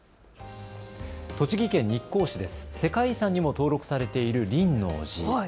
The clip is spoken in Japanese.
栃木県日光市で世界遺産にも登録されている輪王寺。